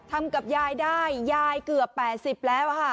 ทำกับยายได้ยายเกือบ๘๐แล้วค่ะ